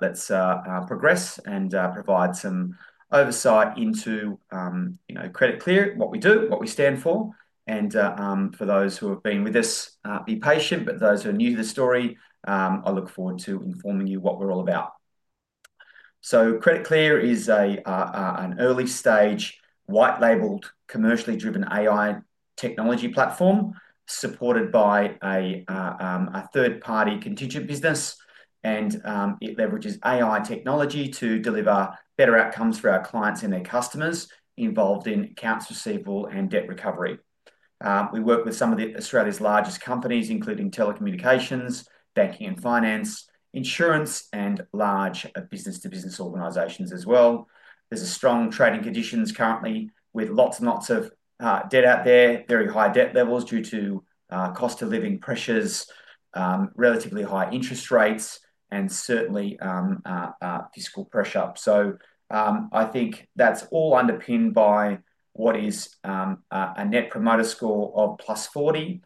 Let's progress and provide some oversight into Credit Clear, what we do, what we stand for. For those who have been with us, be patient, but those who are new to the story, I look forward to informing you what we're all about. Credit Clear is an early-stage, white-labeled, commercially-driven AI technology platform supported by a third-party contingent business. It leverages AI technology to deliver better outcomes for our clients and their customers involved in accounts receivable and debt recovery. We work with some of Australia's largest companies, including telecommunications, banking and finance, insurance, and large business-to-business organizations as well. There are strong trading conditions currently with lots and lots of debt out there, very high debt levels due to cost of living pressures, relatively high interest rates, and certainly fiscal pressure. I think that's all underpinned by what is a net promoter score of +40,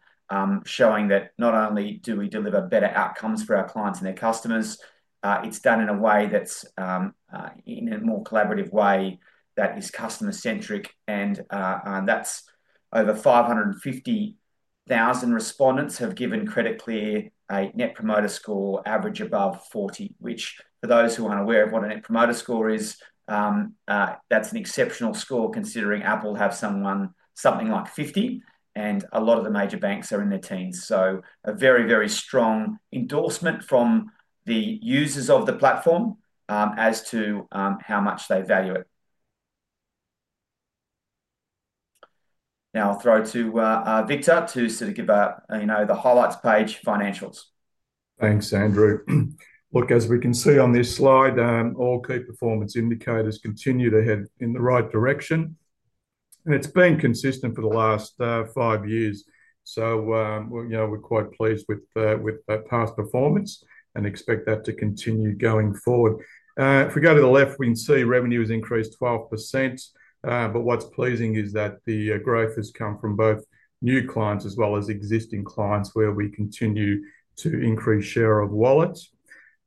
showing that not only do we deliver better outcomes for our clients and their customers, it's done in a way that's in a more collaborative way that is customer-centric. Over 550,000 respondents have given Credit Clear a net promoter score average above 40, which for those who aren't aware of what a net promoter score is, that's an exceptional score considering Apple has something like 50, and a lot of the major banks are in their teens. A very, very strong endorsement from the users of the platform as to how much they value it. Now I'll throw to Victor to sort of give the highlights page financials. Thanks, Andrew. Look, as we can see on this slide, all key performance indicators continue to head in the right direction. It's been consistent for the last five years. We're quite pleased with past performance and expect that to continue going forward. If we go to the left, we can see revenue has increased 12%. What's pleasing is that the growth has come from both new clients as well as existing clients where we continue to increase share of wallets.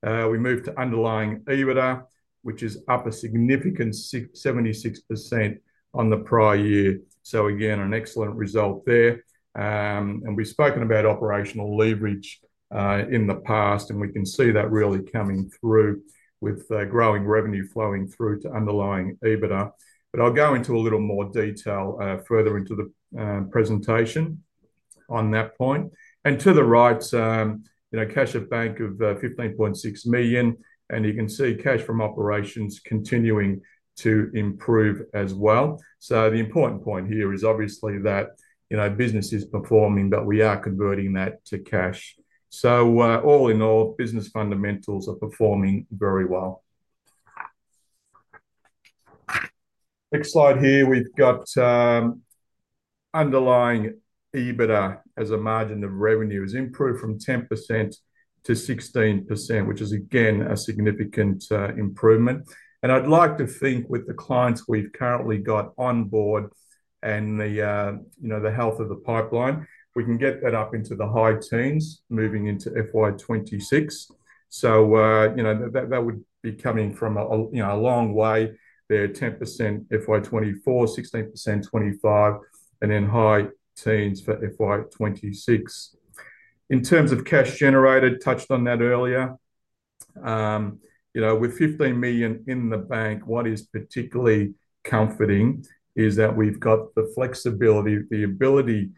We moved to underlying EBITDA, which is up a significant 76% on the prior year. Again, an excellent result there. We've spoken about operational leverage in the past, and we can see that really coming through with growing revenue flowing through to underlying EBITDA. I'll go into a little more detail further into the presentation on that point. To the right, cash at bank of $15.6 million. You can see cash from operations continuing to improve as well. The important point here is obviously that business is performing, but we are converting that to cash. All in all, business fundamentals are performing very well. Next slide here, we've got underlying EBITDA as a margin of revenue has improved from 10%-16%, which is again a significant improvement. I'd like to think with the clients we've currently got on board and the health of the pipeline, we can get that up into the high teens moving into FY 2026. That would be coming from a long way there, 10% FY 2024, 16% FY 2025, and then high teens for FY 2026. In terms of cash generated, touched on that earlier, with $15 million in the bank, what is particularly comforting is that we've got the flexibility, the ability,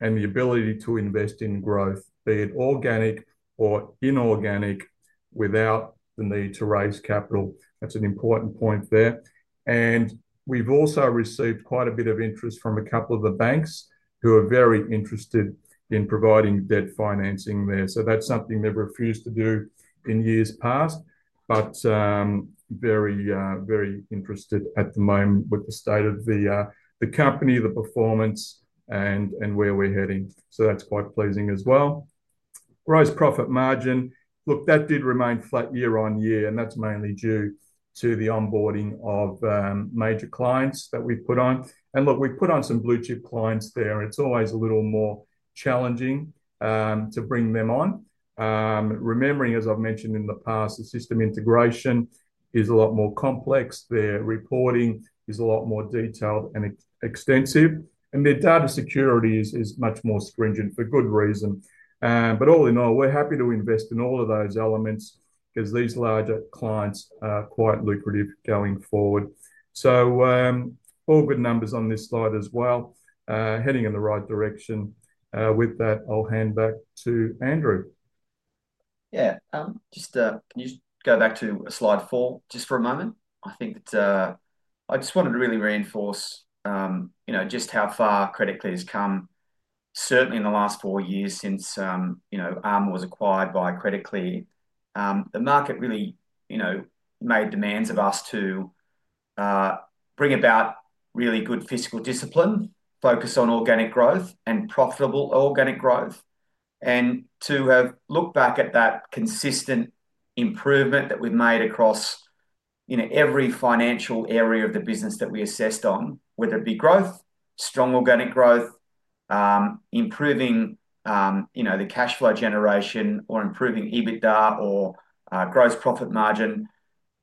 and the ability to invest in growth, be it organic or inorganic, without the need to raise capital. That's an important point there. We've also received quite a bit of interest from a couple of the banks who are very interested in providing debt financing there. That's something they've refused to do in years past, but very, very interested at the moment with the state of the company, the performance, and where we're heading. That's quite pleasing as well. Gross profit margin, look, that did remain flat year on year, and that's mainly due to the onboarding of major clients that we've put on. We've put on some blue-chip clients there, and it's always a little more challenging to bring them on. Remembering, as I've mentioned in the past, the system integration is a lot more complex. Their reporting is a lot more detailed and extensive, and their data security is much more stringent for good reason. All in all, we're happy to invest in all of those elements because these larger clients are quite lucrative going forward. All good numbers on this slide as well, heading in the right direction. With that, I'll hand back to Andrew. Yeah, just to go back to slide four for a moment, I think that I just wanted to really reinforce how far Credit Clear has come, certainly in the last four years since ARMA was acquired by Credit Clear. The market really made demands of us to bring about really good fiscal discipline, focus on organic growth and profitable organic growth. To have looked back at that consistent improvement that we've made across every financial area of the business that we assessed on, whether it be growth, strong organic growth, improving the cash flow generation or improving EBITDA or gross profit margin,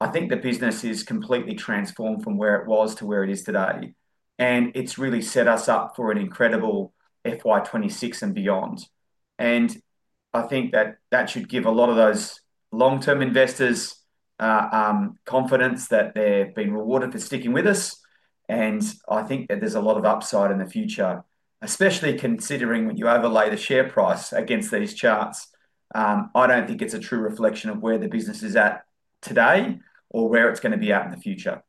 I think the business is completely transformed from where it was to where it is today. It's really set us up for an incredible FY 2026 and beyond. I think that should give a lot of those long-term investors confidence that they're being rewarded for sticking with us. I think that there's a lot of upside in the future, especially considering you overlay the share price against these charts. I don't think it's a true reflection of where the business is at today or where it's going to be at in the future.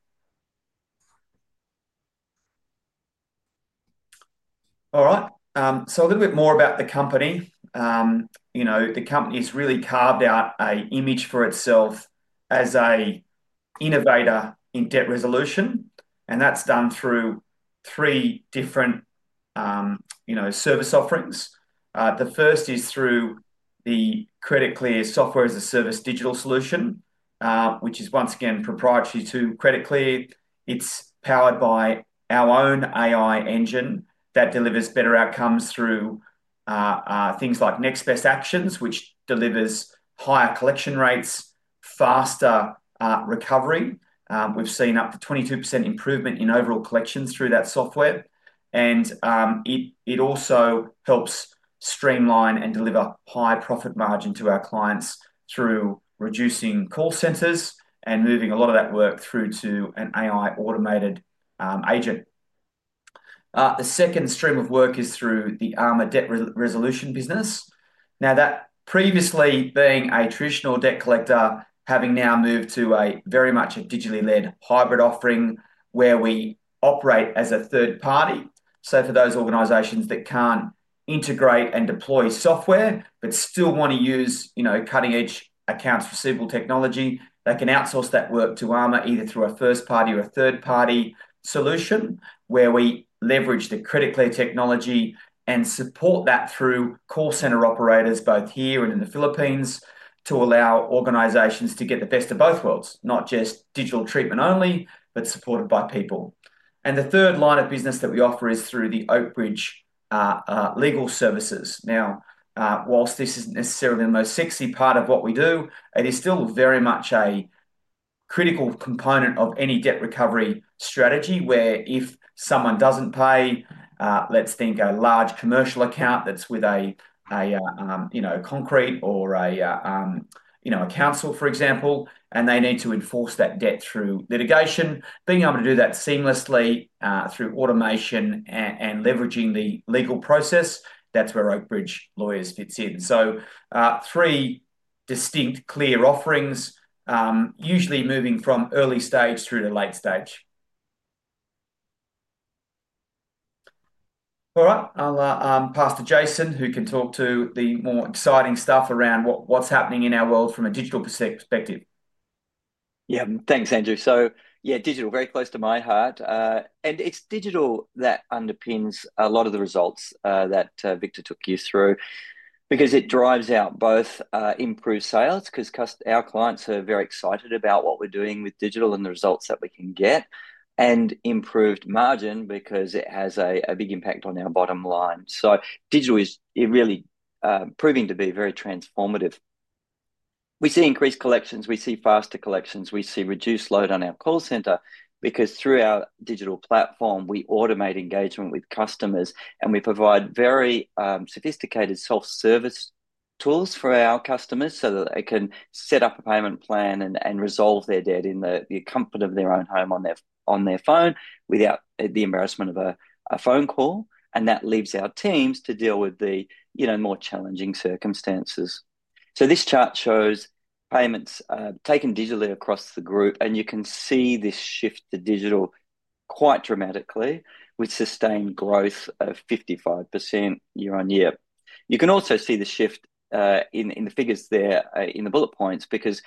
A little bit more about the company. The company has really carved out an image for itself as an innovator in debt resolution. That's done through three different service offerings. The first is through the Credit Clear Software as a Service digital solution, which is once again proprietary to Credit Clear. It's powered by our own AI engine that delivers better outcomes through things like next best actions, which delivers higher collection rates, faster recovery. We've seen up to 22% improvement in overall collections through that software. It also helps streamline and deliver high profit margin to our clients through reducing call centers and moving a lot of that work through to an AI-automated agent. The second stream of work is through the ARMA Debt Resolution business. Now, that previously being a traditional debt collector, having now moved to a very much digitally-led hybrid offering where we operate as a third party. For those organizations that can't integrate and deploy software, but still want to use, you know, cutting-edge accounts receivable technology, they can outsource that work to ARMA either through a first party or a third party solution where we leverage the Credit Clear technology and support that through call center operators both here and in the Philippines to allow organizations to get the best of both worlds, not just digital treatment only, but supported by people. The third line of business that we offer is through the Oak Ridge Legal Services. Now, whilst this isn't necessarily the most sexy part of what we do, it is still very much a critical component of any debt recovery strategy where if someone doesn't pay, let's think a large commercial account that's with a, you know, concrete or a, you know, a council, for example, and they need to enforce that debt through litigation, being able to do that seamlessly through automation and leveraging the legal process, that's where Oakbridge Lawyers fits in. Three distinct clear offerings, usually moving from early stage through to late stage. All right, I'll pass to Jason, who can talk to the more exciting stuff around what's happening in our world from a digital perspective. Yeah, thanks, Andrew. Digital, very close to my heart. It's digital that underpins a lot of the results that Victor took you through because it drives out both improved sales because our clients are very excited about what we're doing with digital and the results that we can get, and improved margin because it has a big impact on our bottom line. Digital is really proving to be very transformative. We see increased collections, we see faster collections, we see reduced load on our call center because through our digital platform, we automate engagement with customers and we provide very sophisticated self-service tools for our customers so that they can set up a payment plan and resolve their debt in the comfort of their own home on their phone without the embarrassment of a phone call. That leaves our teams to deal with the more challenging circumstances. This chart shows payments taken digitally across the group and you can see this shift to digital quite dramatically with sustained growth of 55% year-on-year. You can also see the shift in the figures there in the bullet points because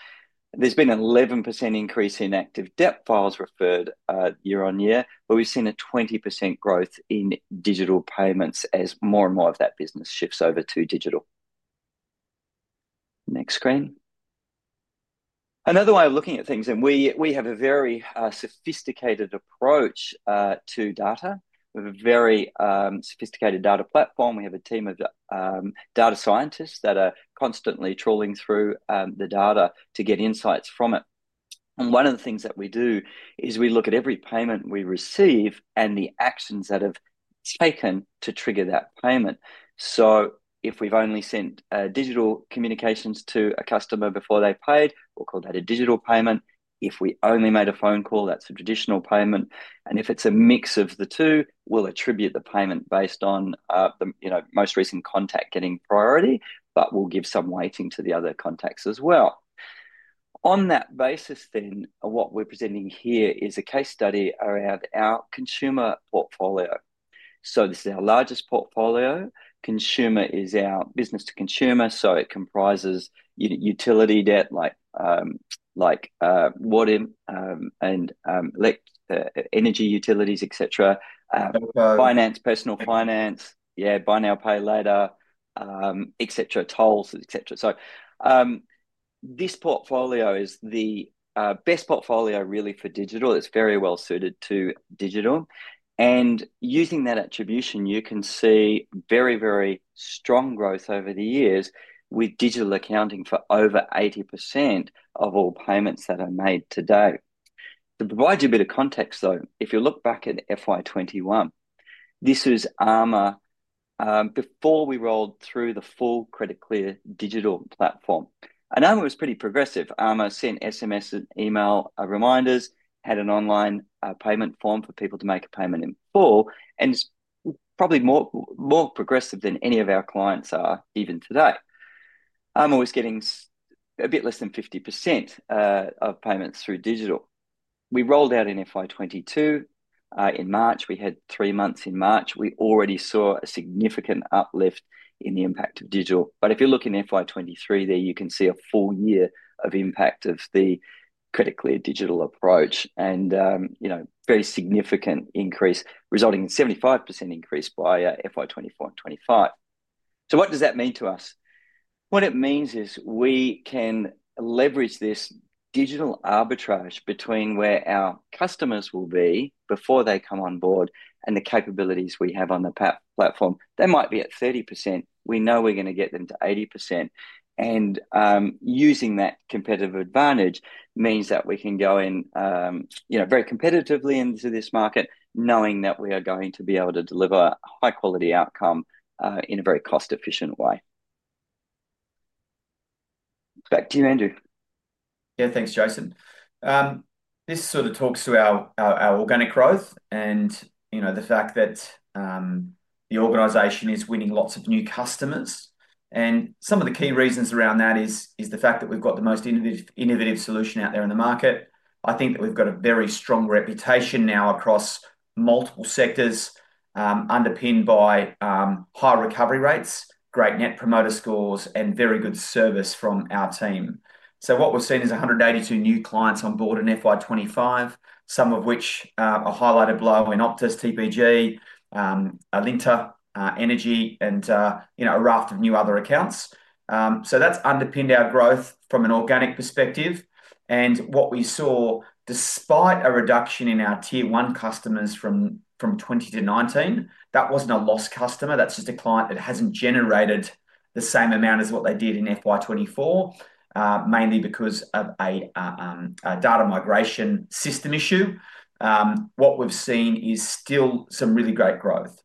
there's been an 11% increase in active debt files referred year on year, but we've seen a 20% growth in digital payments as more and more of that business shifts over to digital. Next screen. Another way of looking at things, we have a very sophisticated approach to data. We have a very sophisticated data platform. We have a team of data scientists that are constantly trawling through the data to get insights from it. One of the things that we do is we look at every payment we receive and the actions that have taken to trigger that payment. If we've only sent digital communications to a customer before they paid, we'll call that a digital payment. If we only made a phone call, that's a traditional payment. If it's a mix of the two, we'll attribute the payment based on the most recent contact getting priority, but we'll give some weighting to the other contacts as well. On that basis, what we're presenting here is a case study around our consumer portfolio. This is our largest portfolio. Consumer is our business to consumer, so it comprises utility debt like water and energy utilities, etc. Finance, personal finance, buy now, pay later, tolls, etc. This portfolio is the best portfolio really for digital. It's very well suited to digital. Using that attribution, you can see very, very strong growth over the years with digital accounting for over 80% of all payments that are made today. To provide you a bit of context though, if you look back at FY 2021, this was ARMA before we rolled through the full Credit Clear digital platform. ARMA was pretty progressive. ARMA sent SMS and email reminders, had an online payment form for people to make a payment in full, and it's probably more progressive than any of our clients are even today. ARMA was getting a bit less than 50% of payments through digital. We rolled out in FY 2022. In March, we had three months in March. We already saw a significant uplift in the impact of digital. If you look in FY 2023 there, you can see a full year of impact of the Credit Clear digital approach and, you know, very significant increase resulting in a 75% increase by FY 2024 and FY 2025. What does that mean to us? What it means is we can leverage this digital arbitrage between where our customers will be before they come on board and the capabilities we have on the platform. They might be at 30%. We know we're going to get them to 80%. Using that competitive advantage means that we can go in, you know, very competitively into this market knowing that we are going to be able to deliver a high-quality outcome in a very cost-efficient way. Back to you, Andrew. Yeah, thanks, Jason. This sort of talks to our organic growth and, you know, the fact that the organization is winning lots of new customers. Some of the key reasons around that is the fact that we've got the most innovative solution out there in the market. I think that we've got a very strong reputation now across multiple sectors underpinned by high recovery rates, great net promoter scores, and very good service from our team. What we've seen is 182 new clients on board in FY 2025, some of which are highlighted below in Optus, TPG, Alinta Energy, and, you know, a raft of new other accounts. That's underpinned our growth from an organic perspective. What we saw, despite a reduction in our Tier 1 customers from 20-19, that wasn't a lost customer. That's just a client that hasn't generated the same amount as what they did in FY 2024, mainly because of a data migration system issue. What we've seen is still some really great growth.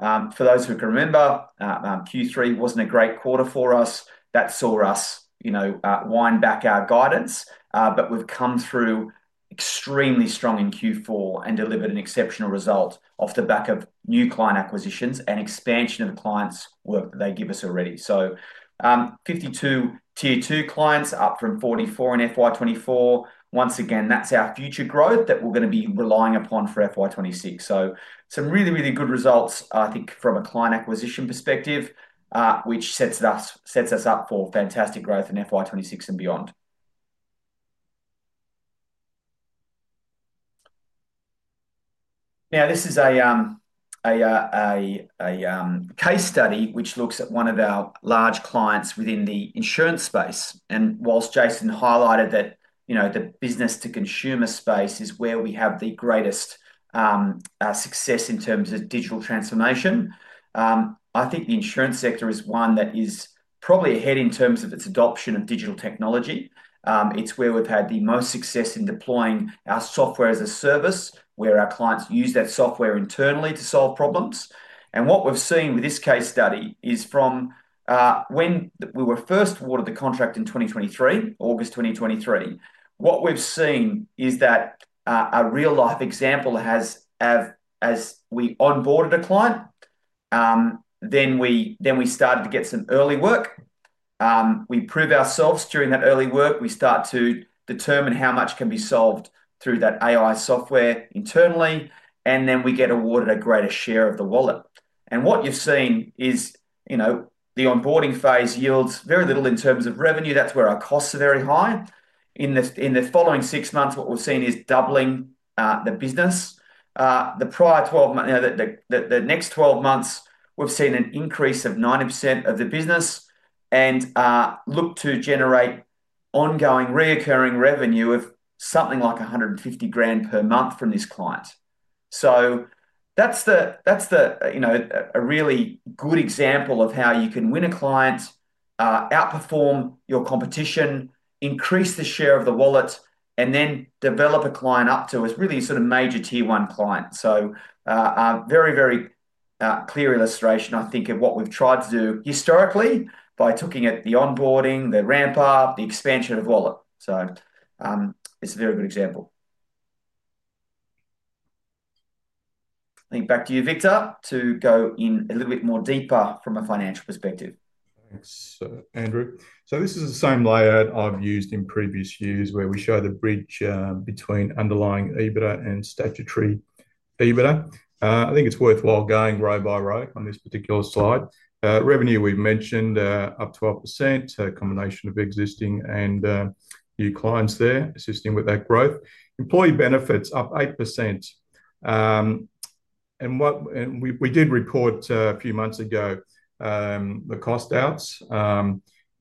For those who can remember, Q3 wasn't a great quarter for us. That saw us, you know, wind back our guidance, but we've come through extremely strong in Q4 and delivered an exceptional result off the back of new client acquisitions and expansion of the clients that they give us already. 52 Tier 2 clients up from 44 in FY 2024. Once again, that's our future growth that we're going to be relying upon for FY 2026. Some really, really good results, I think, from a client acquisition perspective, which sets us up for fantastic growth in FY 2026 and beyond. Now, this is a case study which looks at one of our large clients within the insurance space. Whilst Jason highlighted that, you know, the business to consumer space is where we have the greatest success in terms of digital transformation, I think the insurance sector is one that is probably ahead in terms of its adoption of digital technology. It's where we've had the most success in deploying our software as a service, where our clients use that software internally to solve problems. What we've seen with this case study is from when we were first awarded the contract in 2023, August 2023. What we've seen is that a real-life example has as we onboarded a client, then we started to get some early work. We proved ourselves during that early work. We start to determine how much can be solved through that AI software internally, and then we get awarded a greater share of the wallet. What you've seen is, you know, the onboarding phase yields very little in terms of revenue. That's where our costs are very high. In the following six months, what we've seen is doubling the business. The prior 12 months, the next 12 months, we've seen an increase of 90% of the business and look to generate ongoing recurring revenue of something like $150,000 per month from this client. That's a really good example of how you can win a client, outperform your competition, increase the share of the wallet, and then develop a client up to a really sort of major tier one client. A very, very clear illustration, I think, of what we've tried to do historically by talking about the onboarding, the ramp up, the expansion of the wallet. It's a very good example. I think back to you, Victor, to go in a little bit more deeper from a financial perspective. Thanks, Andrew. This is the same layout I've used in previous years where we show the bridge between underlying EBITDA and statutory EBITDA. I think it's worthwhile going row by row on this particular slide. Revenue we've mentioned up 12%, a combination of existing and new clients there assisting with that growth. Employee benefits up 8%. We did record a few months ago the cost outs,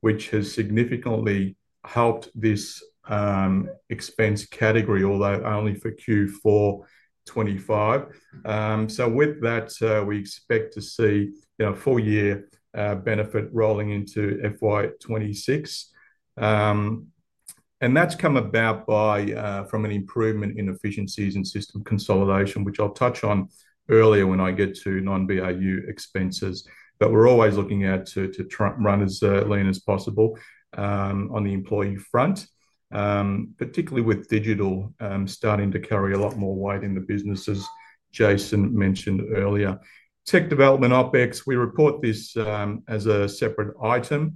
which has significantly helped this expense category, although only for Q4 2025. With that, we expect to see a full year benefit rolling into FY 2026. That's come about by an improvement in efficiencies and system consolidation, which I'll touch on earlier when I get to non-BAU expenses. We're always looking out to try and run as lean as possible on the employee front, particularly with digital starting to carry a lot more weight in the businesses Jason mentioned earlier. Tech development OpEx, we report this as a separate item.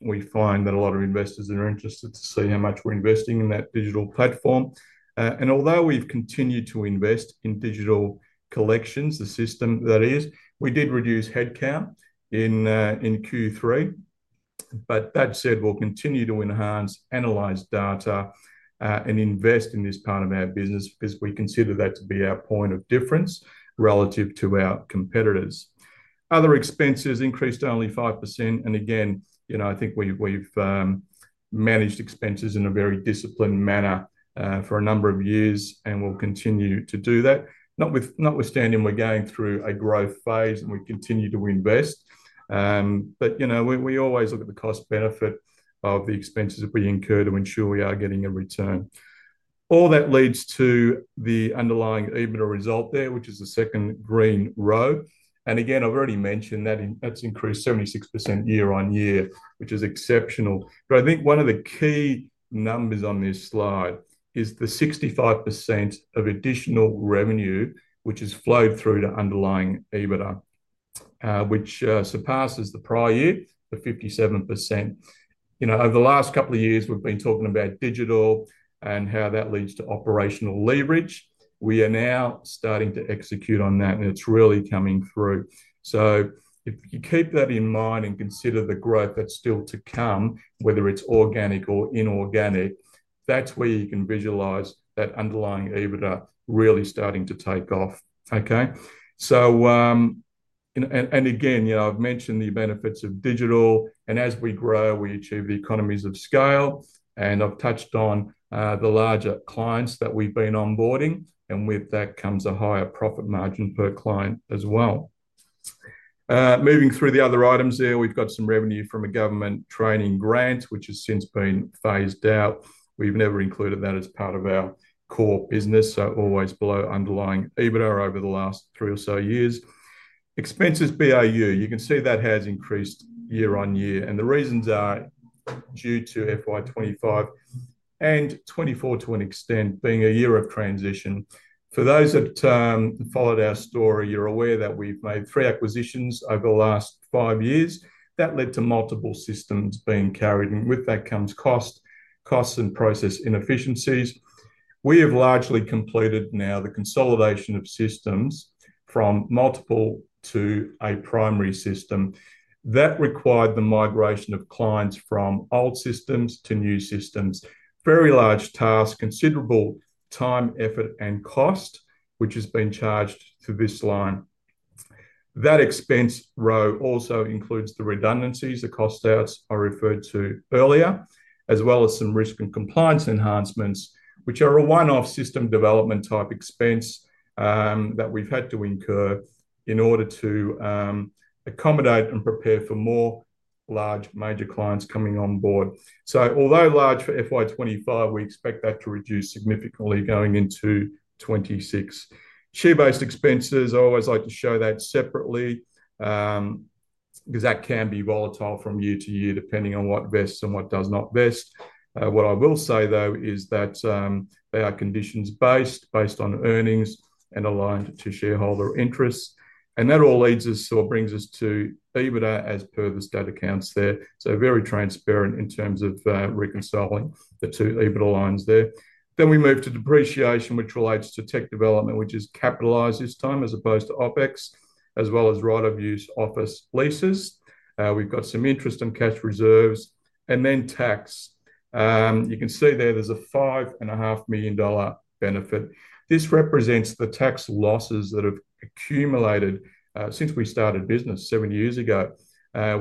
We find that a lot of investors are interested to see how much we're investing in that digital platform. Although we've continued to invest in digital collections, the system that is, we did reduce headcount in Q3. That said, we'll continue to enhance, analyze data, and invest in this part of our business because we consider that to be our point of difference relative to our competitors. Other expenses increased only 5%. I think we've managed expenses in a very disciplined manner for a number of years, and we'll continue to do that. Notwithstanding, we're going through a growth phase, and we continue to invest. We always look at the cost-benefit of the expenses that we incur to ensure we are getting a return. All that leads to the underlying EBITDA result there, which is the second green row. I've already mentioned that that's increased 76% year-on-year, which is exceptional. I think one of the key numbers on this slide is the 65% of additional revenue, which has flowed through to underlying EBITDA, which surpasses the prior year by 57%. Over the last couple of years, we've been talking about digital and how that leads to operational leverage. We are now starting to execute on that, and it's really coming through. If you keep that in mind and consider the growth that's still to come, whether it's organic or inorganic, that's where you can visualize that underlying EBITDA really starting to take off. Okay. You know, I've mentioned the benefits of digital, and as we grow, we achieve the economies of scale. I've touched on the larger clients that we've been onboarding, and with that comes a higher profit margin per client as well. Moving through the other items here, we've got some revenue from a government training grant, which has since been phased out. We've never included that as part of our core business, so always below underlying EBITDA over the last three or so years. Expenses BAU, you can see that has increased year on year, and the reasons are due to FY 2025 and FY 2024 to an extent being a year of transition. For those that followed our story, you're aware that we've made three acquisitions over the last five years. That led to multiple systems being carried, and with that comes cost, costs, and process inefficiencies. We have largely completed now the consolidation of systems from multiple to a primary system. That required the migration of clients from old systems to new systems. Very large task, considerable time, effort, and cost, which has been charged to this line. That expense row also includes the redundancies, the cost outs I referred to earlier, as well as some risk and compliance enhancements, which are a one-off system development type expense that we've had to incur in order to accommodate and prepare for more large major clients coming on board. Although large for FY 2025, we expect that to reduce significantly going into 2026. Share-based expenses, I always like to show that separately because that can be volatile from year to year depending on what vests and what does not vest. What I will say though is that they are conditions based, based on earnings and aligned to shareholder interests. That all leads us to or brings us to EBITDA as per the state accounts there. Very transparent in terms of reconciling the two EBITDA lines there. We move to depreciation, which relates to tech development, which is capitalized this time as opposed to OpEx, as well as right-of-use office leases. We've got some interest in cash reserves and then tax. You can see there there's a $5.5 million benefit. This represents the tax losses that have accumulated since we started business seven years ago.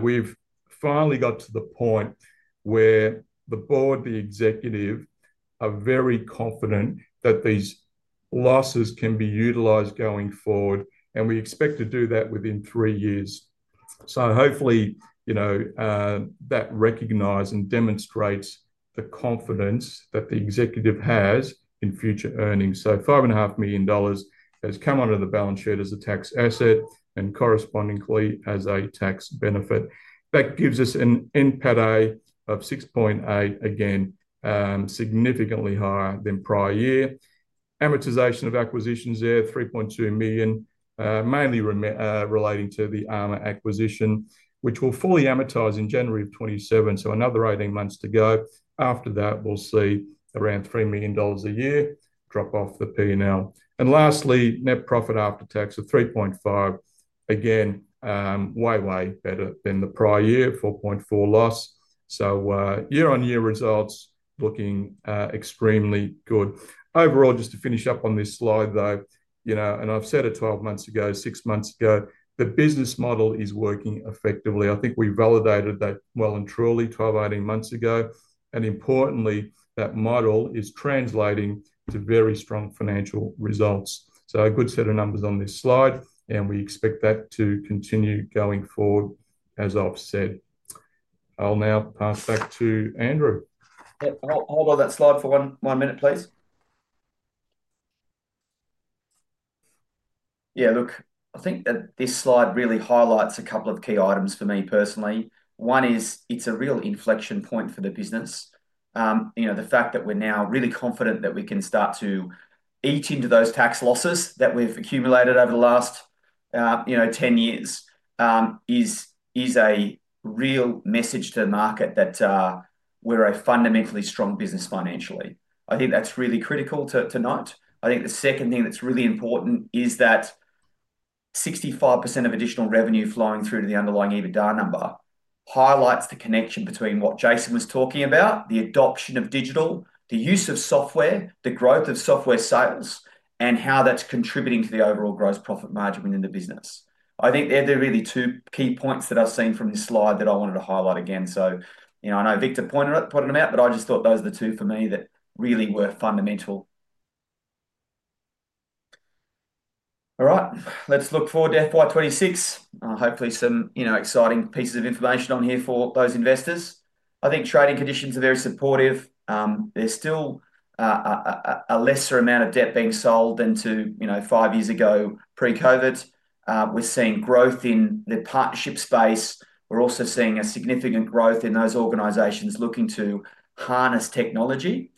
We've finally got to the point where the board, the executive, are very confident that these losses can be utilized going forward, and we expect to do that within three years. Hopefully, you know, that recognizes and demonstrates the confidence that the executive has in future earnings. $5.5 million has come under the balance sheet as a tax asset and correspondingly as a tax benefit. That gives us an NPADA of $6.8 million, again, significantly higher than prior year. Amortization of acquisitions there, $3.2 million, mainly relating to the ARMA Debt Resolution acquisition, which will fully amortize in January of 2027. Another 18 months to go. After that, we'll see around $3 million a year drop off the P&L. Lastly, net profit after tax of $3.5 million, again, way, way better than the prior year, $4.4 million loss. Year-on-year results looking extremely good. Overall, just to finish up on this slide, you know, and I've said it 12 months ago, six months ago, the business model is working effectively. I think we validated that well and truly 12-18 months ago. Importantly, that model is translating to very strong financial results. A good set of numbers on this slide, and we expect that to continue going forward as I've said. I'll now pass back to Andrew. Yep, hold on that slide for one minute, please. Yeah, look, I think that this slide really highlights a couple of key items for me personally. One is it's a real inflection point for the business. The fact that we're now really confident that we can start to eat into those tax losses that we've accumulated over the last 10 years is a real message to the market that we're a fundamentally strong business financially. I think that's really critical to note. I think the second thing that's really important is that 65% of additional revenue flowing through to the underlying EBITDA number highlights the connection between what Jason was talking about, the adoption of digital, the use of software, the growth of software sales, and how that's contributing to the overall gross profit margin within the business. I think they're really two key points that I've seen from this slide that I wanted to highlight again. I know Victor pointed them out, but I just thought those are the two for me that really were fundamental. All right, let's look forward to FY 2026. Hopefully, some exciting pieces of information on here for those investors. I think trading conditions are very supportive. There's still a lesser amount of debt being sold than to five years ago, pre-COVID. We're seeing growth in the partnership space. We're also seeing a significant growth in those organizations looking to harness technology.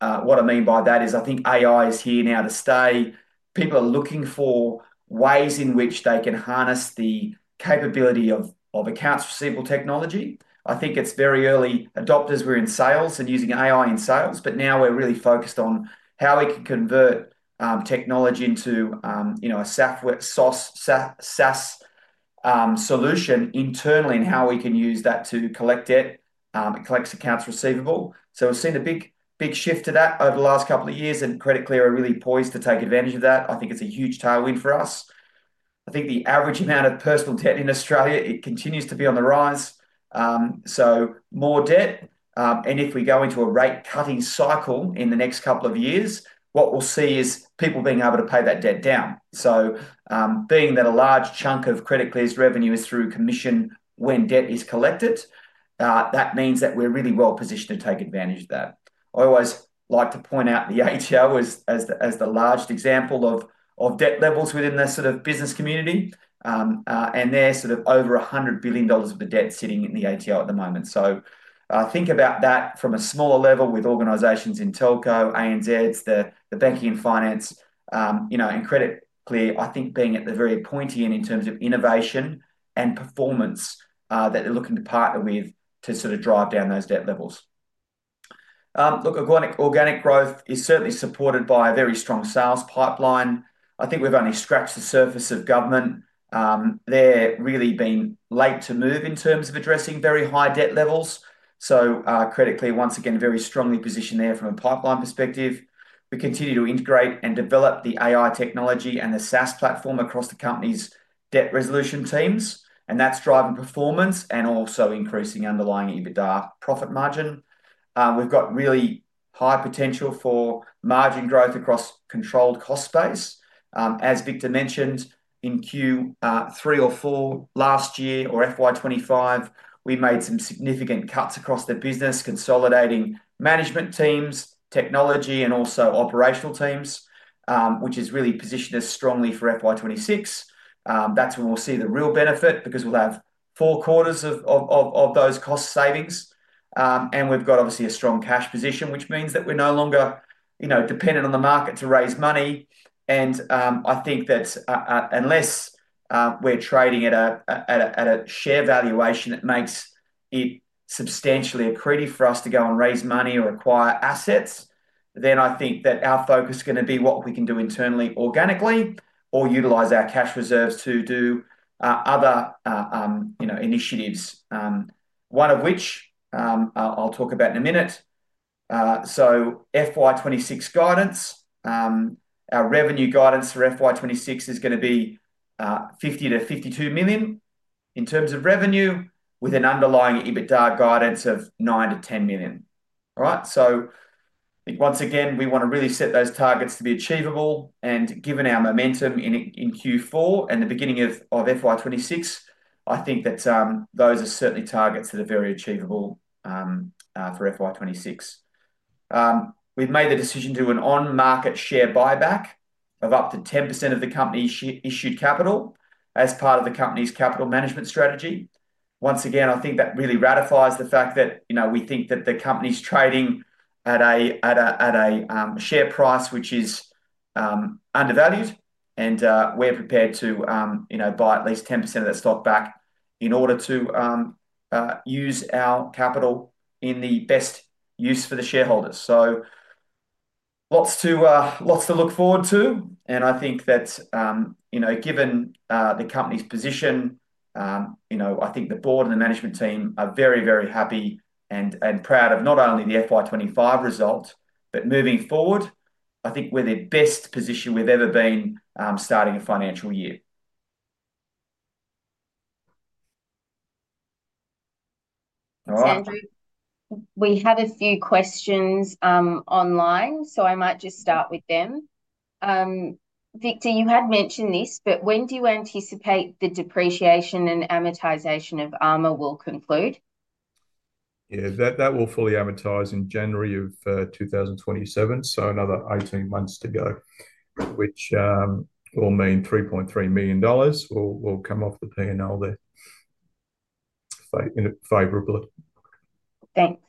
What I mean by that is I think AI is here now to stay. People are looking for ways in which they can harness the capability of accounts receivable technology. I think its very early adopters were in sales and using AI in sales, but now we're really focused on how we can convert technology into a SaaS solution internally and how we can use that to collect debt, collect accounts receivable. We've seen a big, big shift to that over the last couple of years, and Credit Clear are really poised to take advantage of that. I think it's a huge tailwind for us. I think the average amount of personal debt in Australia, it continues to be on the rise. More debt, and if we go into a rate cutting cycle in the next couple of years, what we'll see is people being able to pay that debt down. Being that a large chunk of Credit Clear's revenue is through commission when debt is collected, that means that we're really well positioned to take advantage of that. I always like to point out the ATL as the largest example of debt levels within the sort of business community, and they're sort of over $100 billion of the debt sitting in the ATL at the moment. Think about that from a smaller level with organizations in telco, ANZs, the banking and finance, you know, and Credit Clear. I think being at the very pointy end in terms of innovation and performance that they're looking to partner with to drive down those debt levels. Organic growth is certainly supported by a very strong sales pipeline. I think we've only scratched the surface of government. They're really being late to move in terms of addressing very high debt levels. Credit Clear, once again, very strongly positioned there from a pipeline perspective. We continue to integrate and develop the AI technology and the SaaS platform across the company's debt resolution teams, and that's driving performance and also increasing underlying EBITDA profit margin. We've got really high potential for margin growth across controlled cost space. As Victor mentioned, in Q3 or Q4 last year or FY 2025, we made some significant cuts across the business, consolidating management teams, technology, and also operational teams, which has really positioned us strongly for FY 2026. That's where we'll see the real benefit because we'll have four quarters of those cost savings. We've got obviously a strong cash position, which means that we're no longer, you know, dependent on the market to raise money. I think that unless we're trading at a share valuation that makes it substantially accretive for us to go and raise money or acquire assets, then I think that our focus is going to be what we can do internally organically or utilize our cash reserves to do other, you know, initiatives. One of which I'll talk about in a minute. FY 2026 guidance, our revenue guidance for FY 2026 is going to be $50 million-$52 million in terms of revenue with an underlying EBITDA guidance of $9 million-$10 million. I think once again we want to really set those targets to be achievable. Given our momentum in Q4 and the beginning of FY 2026, I think that those are certainly targets that are very achievable for FY 2026. We've made the decision to do an on-market share buyback of up to 10% of the company's issued capital as part of the company's capital management strategy. Once again, I think that really ratifies the fact that we think that the company's trading at a share price which is undervalued, and we're prepared to buy at least 10% of that stock back in order to use our capital in the best use for the shareholders. There is lots to look forward to. I think that, given the company's position, the board and the management team are very, very happy and proud of not only the FY 2025 result, but moving forward, I think we're the best position we've ever been starting a financial year. All right, we had a few questions online, so I might just start with them. Victor, you had mentioned this, but when do you anticipate the depreciation and amortization of ARMA will conclude? Yeah, that will fully amortize in January of 2027, so another 18 months to go, which will mean $3.3 million will come off the P&L there, favorably. Thanks.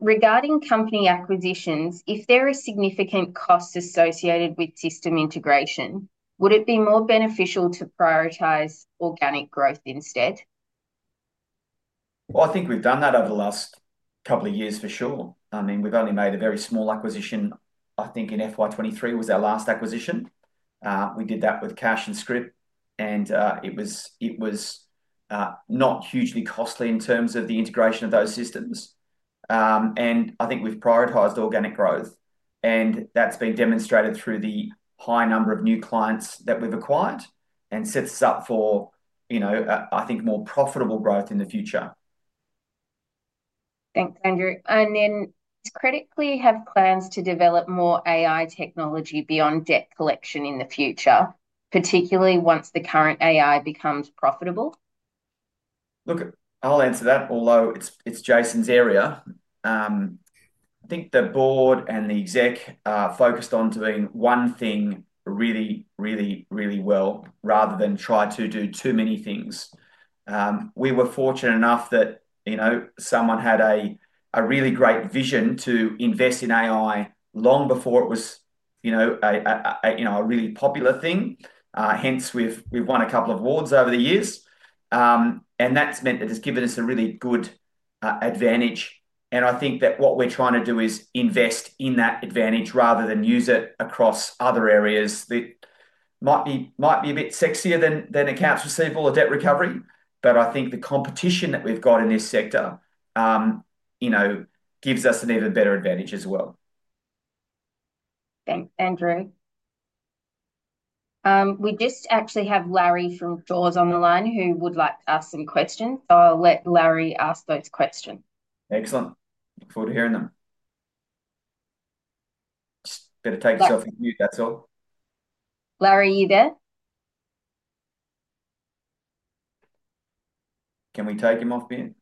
Regarding company acquisitions, if there are significant costs associated with system integration, would it be more beneficial to prioritize organic growth instead? I think we've done that over the last couple of years for sure. I mean, we've only made a very small acquisition. I think in FY 2023 was our last acquisition. We did that with cash and script, and it was not hugely costly in terms of the integration of those systems. I think we've prioritized organic growth, and that's been demonstrated through the high number of new clients that we've acquired and sets us up for, you know, I think more profitable growth in the future. Thanks, Andrew. Does Credit Clear have plans to develop more AI technology beyond debt collection in the future, particularly once the current AI becomes profitable? Look, I'll answer that, although it's Jason's area. I think the Board and the exec are focused on doing one thing really, really, really well, rather than try to do too many things. We were fortunate enough that someone had a really great vision to invest in AI long before it was a really popular thing. Hence, we've won a couple of awards over the years. That's meant that it's given us a really good advantage. I think that what we're trying to do is invest in that advantage rather than use it across other areas that might be a bit sexier than accounts receivable or debt recovery. I think the competition that we've got in this sector gives us an even better advantage as well. Thanks, Andrew. We just actually have Larry from Shaws on the line who would like to ask some questions. I'll let Larry ask those questions. Excellent. Look forward to hearing them. Going to take yourself off mute, that's all. Larry, are you there? Can we take him off mute?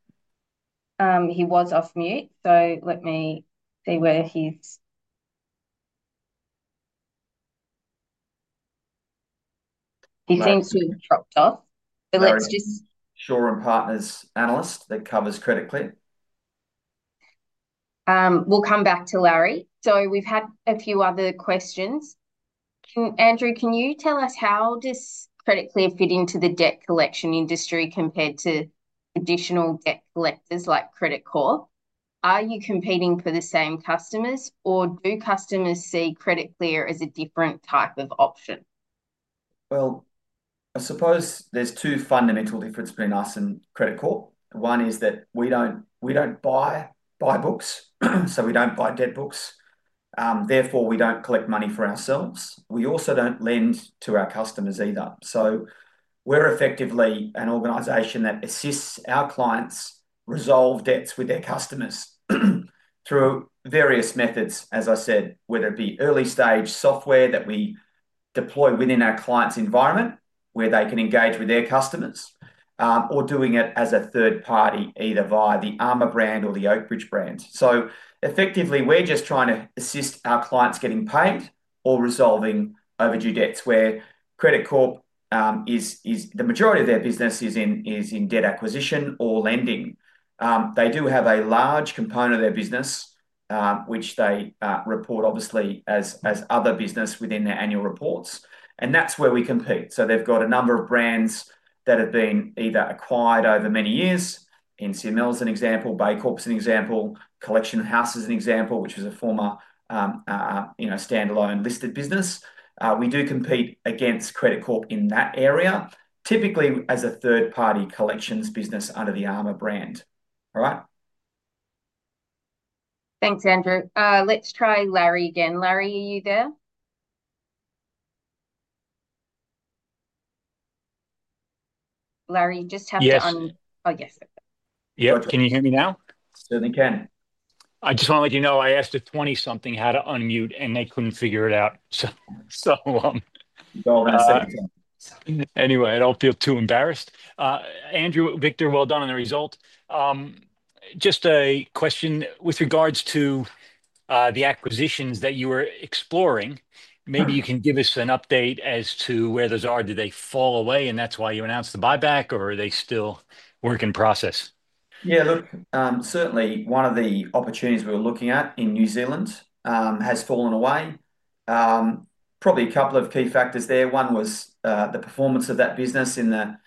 He was off mute. Let me see where he's... He seems to have dropped off. Larry, Shaw and Partners Analyst that covers Credit Clear. We'll come back to Larry. We've had a few other questions. Andrew, can you tell us how does Credit Clear fit into the debt collections industry compared to traditional debt collectors like Credit Core? Are you competing for the same customers or do customers see Credit Clear as a different type of option? There are two fundamental differences between us and Credit Corp. One is that we don't buy books, so we don't buy debt books. Therefore, we don't collect money for ourselves. We also don't lend to our customers either. We're effectively an organization that assists our clients resolve debts with their customers through various methods, as I said, whether it be early stage software that we deploy within our client's environment where they can engage with their customers, or doing it as a third party either via the ARMA Debt Resolution brand or the Oakbridge brands. Effectively, we're just trying to assist our clients getting paid or resolving overdue debts where Credit Corp, the majority of their business is in debt acquisition or lending. They do have a large component of their business, which they report obviously as other business within their annual reports. That's where we compete. They've got a number of brands that have been either acquired over many years. NC Mills is an example, BAE Corp is an example, Collection House is an example, which was a former standalone listed business. We do compete against Credit Corp in that area, typically as a third party collections business under the ARMA Debt Resolution brand. Thanks, Andrew. Let's try Larry again. Larry, are you there? Larry, you just have to unmute. Yeah, can you hear me now? Certainly can. I just want to let you know I asked a 20-something how to unmute and they couldn't figure it out. Anyway, I don't feel too embarrassed. Andrew, Victor, well done on the result. Just a question with regards to the acquisitions that you were exploring. Maybe you can give us an update as to where those are. Do they fall away and that's why you announced the buyback or are they still work in process? Yeah, look, certainly one of the opportunities we were looking at in New Zealand has fallen away. Probably a couple of key factors there. One was the performance of that business in the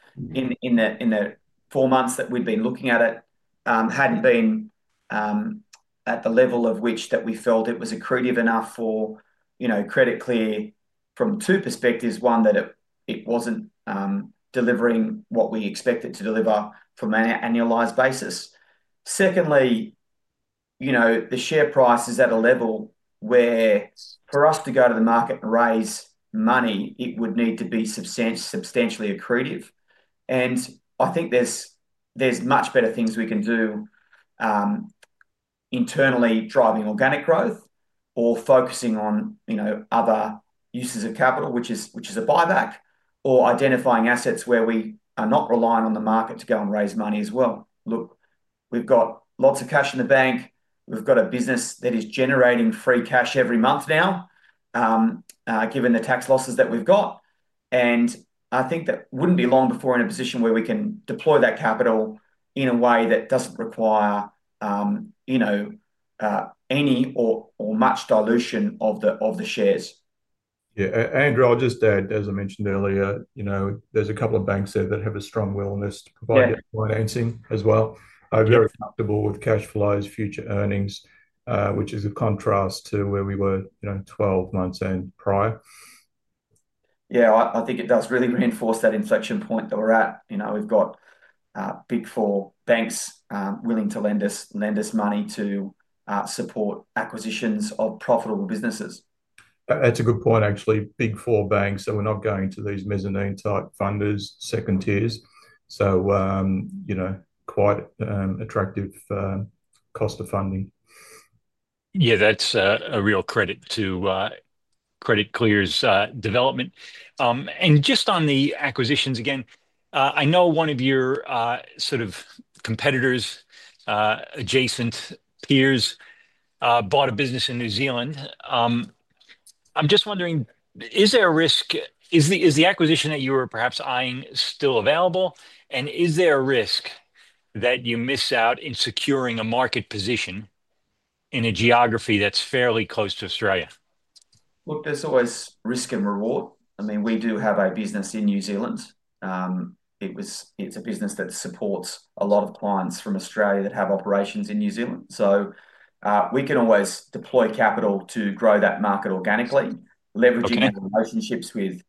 four months that we'd been looking at it hadn't been at the level of which that we felt it was accretive enough for, you know, Credit Clear from two perspectives. One, that it wasn't delivering what we expected to deliver from an annualized basis. Secondly, you know, the share price is at a level where for us to go to the market and raise money, it would need to be substantially accretive. I think there's much better things we can do internally driving organic growth or focusing on, you know, other uses of capital, which is a buyback, or identifying assets where we are not relying on the market to go and raise money as well. We've got lots of cash in the bank. We've got a business that is generating free cash every month now, given the tax losses that we've got. I think that wouldn't be long before we're in a position where we can deploy that capital in a way that doesn't require, you know, any or much dilution of the shares. Yeah, Andrew, I'll just add, as I mentioned earlier, there's a couple of banks there that have a strong willingness to provide debt financing as well. They're very comfortable with cash flows, future earnings, which is a contrast to where we were 12 months prior. Yeah, I think it does really reinforce that inflection point that we're at. We've got Big Four banks willing to lend us money to support acquisitions of profitable businesses. That's a good point, actually. Big Four banks, we're not going to these mezzanine type funders, second tiers, so quite attractive cost of funding. Yeah, that's a real credit to Credit Clear's development. Just on the acquisitions again, I know one of your sort of competitors, adjacent peers, bought a business in New Zealand. I'm just wondering, is there a risk? Is the acquisition that you were perhaps eyeing still available? Is there a risk that you miss out in securing a market position in a geography that's fairly close to Australia? Look, there's always risk and reward. We do have a business in New Zealand. It's a business that supports a lot of clients from Australia that have operations in New Zealand. We can always deploy capital to grow that market organically, leveraging relationships with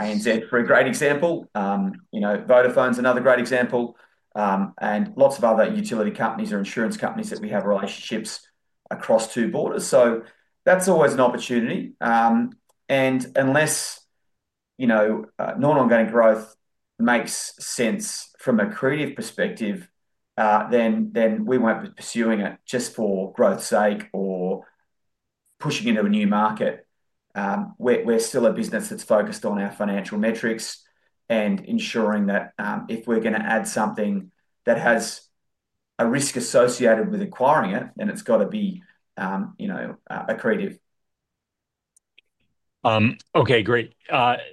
ANZ for a great example. Vodafone is another great example, and lots of other utility companies or insurance companies that we have relationships across two borders. That's always an opportunity. Unless non-organic growth makes sense from an accretive perspective, we won't be pursuing it just for growth's sake or pushing into a new market. We're still a business that's focused on our financial metrics and ensuring that if we're going to add something that has a risk associated with acquiring it, then it's got to be accretive. Okay, great.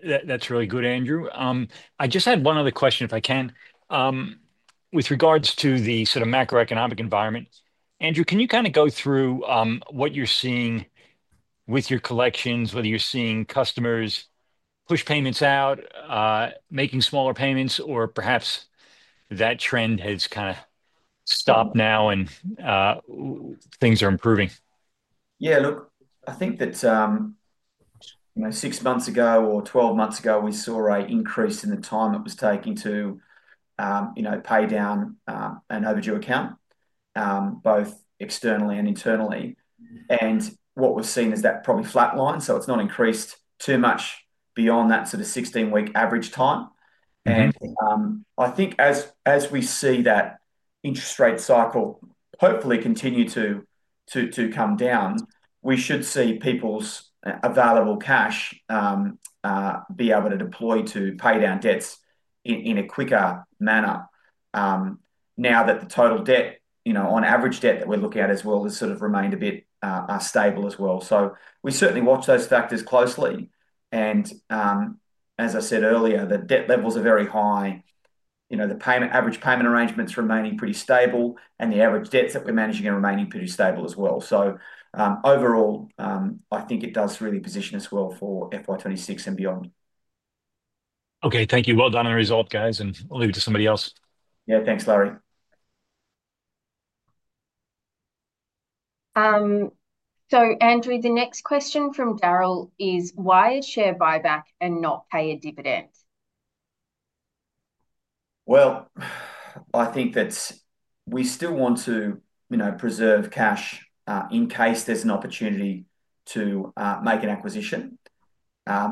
That's really good, Andrew. I just had one other question, if I can, with regards to the sort of macroeconomic environment. Andrew, can you kind of go through what you're seeing with your collections, whether you're seeing customers push payments out, making smaller payments, or perhaps that trend has kind of stopped now and things are improving? Yeah, look, I think that six months ago or 12 months ago, we saw an increase in the time it was taking to pay down an overdue account, both externally and internally. What we've seen is that probably flatline, so it's not increased too much beyond that sort of 16-week average time. I think as we see that interest rate cycle hopefully continue to come down, we should see people's available cash be able to deploy to pay down debts in a quicker manner. Now that the total debt, on average debt that we're looking at as well has sort of remained a bit stable as well. We certainly watch those factors closely. As I said earlier, the debt levels are very high. The average payment arrangements are remaining pretty stable, and the average debts that we're managing are remaining pretty stable as well. Overall, I think it does really position us well for FY 2026 and beyond. Okay, thank you. Well done on the result, guys, and I'll leave it to somebody else. Yeah, thanks, Larry. Andrew, the next question from Daryl is, why a share buyback and not pay a dividend? I think that we still want to preserve cash in case there's an opportunity to make an acquisition.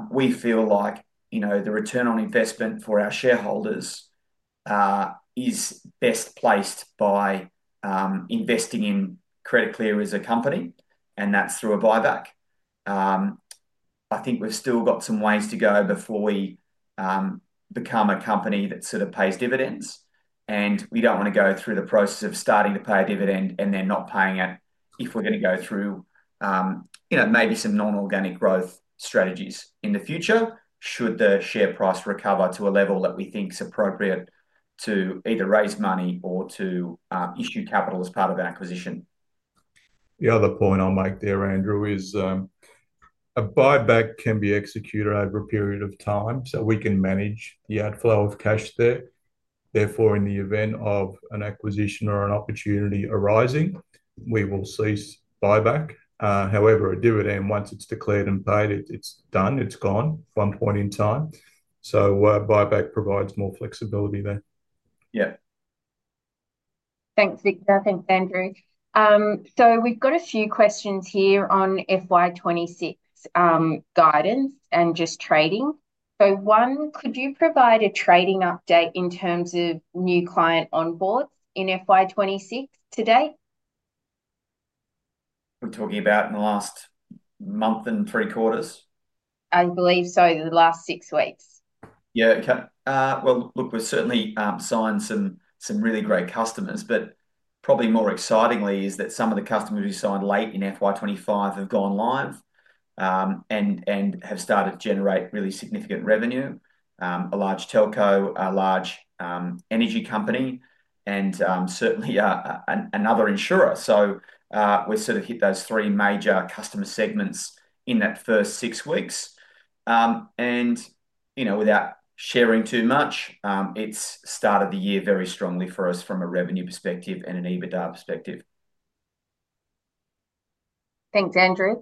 We feel like the return on investment for our shareholders is best placed by investing in Credit Clear as a company, and that's through a buyback. I think we've still got some ways to go before we become a company that sort of pays dividends, and we don't want to go through the process of starting to pay a dividend and then not paying it if we're going to go through maybe some non-organic growth strategies in the future should the share price recover to a level that we think is appropriate to either raise money or to issue capital as part of our acquisition. The other point I'll make there, Andrew, is a buyback can be executed over a period of time, so we can manage the outflow of cash there. Therefore, in the event of an acquisition or an opportunity arising, we will cease buyback. However, a dividend, once it's declared and paid, it's done, it's gone at one point in time. A buyback provides more flexibility there. Yeah. Thanks, Victor. Thanks, Andrew. We've got a few questions here on FY 2026 guidance and just trading. Could you provide a trading update in terms of new client onboard in FY 2026 to date? We're talking about in the last month and three quarters? I believe so, the last six weeks. Yeah, okay. We've certainly signed some really great customers, but probably more excitingly is that some of the customers we signed late in FY 2025 have gone live and have started to generate really significant revenue. A large telco, a large energy company, and certainly another insurer. We've sort of hit those three major customer segments in that first six weeks. You know, without sharing too much, it's started the year very strongly for us from a revenue perspective and an EBITDA perspective. Thanks, Andrew.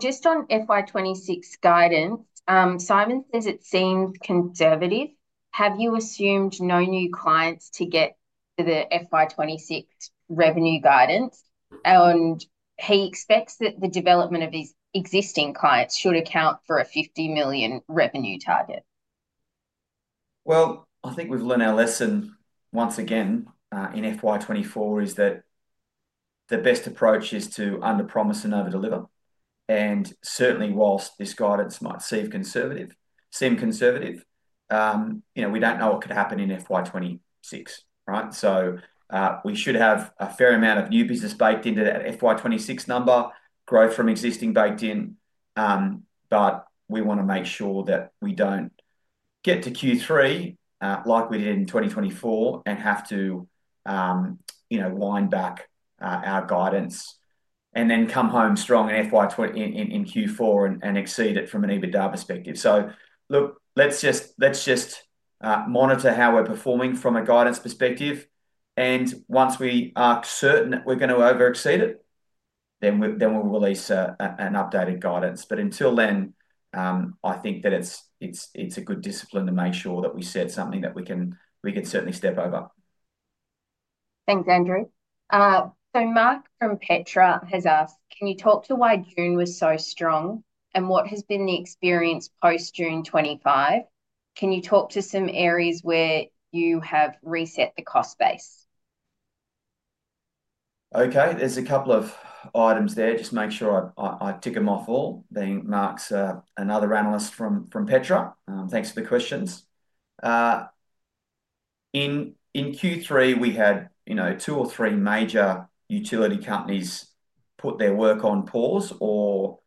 Just on FY 2026 guidance, Simon says it seems conservative. Have you assumed no new clients to get to the FY 2026 revenue guidance? He expects that the development of his existing clients should account for a $50 million revenue target. I think we've learned our lesson once again in FY 2024 that the best approach is to under-promise and over-deliver. Certainly, whilst this guidance might seem conservative, you know, we don't know what could happen in FY 2026, right? We should have a fair amount of new business baked into that FY 2026 number, growth from existing baked in. We want to make sure that we don't get to Q3 like we did in 2024 and have to wind back our guidance and then come home strong in FY 2024 and exceed it from an EBITDA perspective. Let's just monitor how we're performing from a guidance perspective. Once we are certain that we're going to over-exceed it, then we'll release an updated guidance. Until then, I think that it's a good discipline to make sure that we said something that we can certainly step over. Thanks, Andrew. Mark from Petra has asked, can you talk to why June was so strong and what has been the experience post-June 25? Can you talk to some areas where you have reset the cost base? Okay, there's a couple of items there. Just make sure I tick them off all. Then Mark's another analyst from Petra Capital. Thanks for the questions. In Q3, we had two or three major utility companies put their work on pause or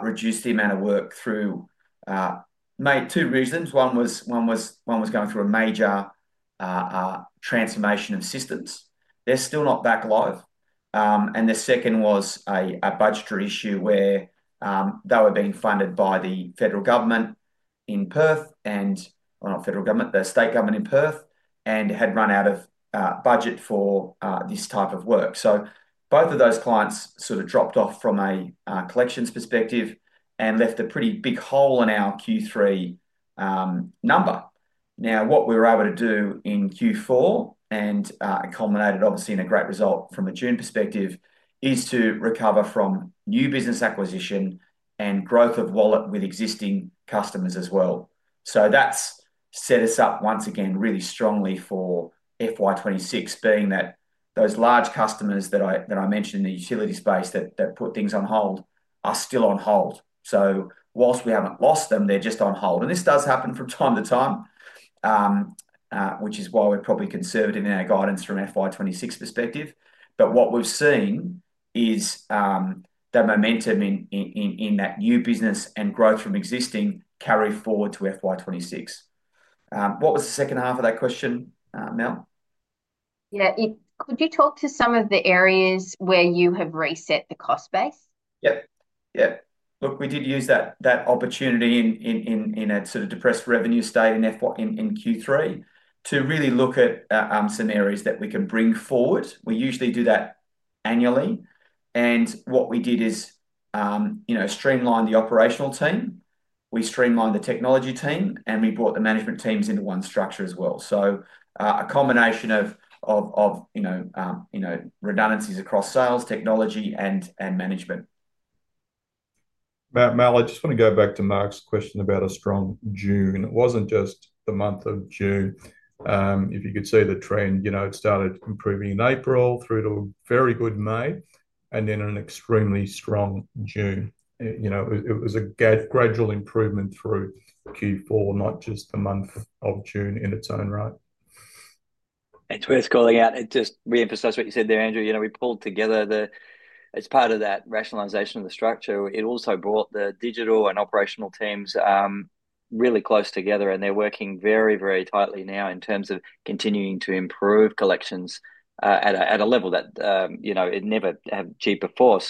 reduced the amount of work through two reasons. One was going through a major transformation of systems. They're still not back live. The second was a budgetary issue where they were being funded by the federal government in Perth and, I don't know, federal government, the state government in Perth, and had run out of budget for this type of work. Both of those clients sort of dropped off from a collections perspective and left a pretty big hole in our Q3 number. What we were able to do in Q4 and accommodated obviously in a great result from a June perspective is to recover from new business acquisition and growth of wallet with existing customers as well. That's set us up once again really strongly for FY 2026, being that those large customers that I mentioned, the utility space that put things on hold are still on hold. Whilst we haven't lost them, they're just on hold. This does happen from time to time, which is why we're probably conservative in our guidance from FY 2026 perspective. What we've seen is the momentum in that new business and growth from existing carry forward to FY 2026. What was the second half of that question, Mel? Yeah, could you talk to some of the areas where you have reset the cost base? Yep, yep. Look, we did use that opportunity in a sort of depressed revenue state in Q3 to really look at scenarios that we can bring forward. We usually do that annually. What we did is, you know, streamline the operational team. We streamlined the technology team, and we brought the management teams into one structure as well. A combination of, you know, redundancies across sales, technology, and management. Mel, I just want to go back to Mark's question about a strong June. It wasn't just the month of June. If you could see the trend, it started improving in April through to a very good May, and then an extremely strong June. It was a gradual improvement through Q4, not just the month of June in its own right. Thanks for calling out. It just reemphasized what you said there, Andrew. We pulled together the, as part of that rationalization of the structure, it also brought the digital and operational teams really close together, and they're working very, very tightly now in terms of continuing to improve collections at a level that it never had achieved before.